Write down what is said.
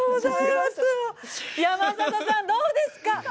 山里さん、どうですか！